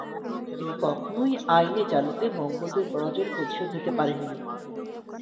তিনি কখনোই আইনে জালুতে মঙ্গোলদের পরাজয়ের প্রতিশোধ নিতে পারেননি।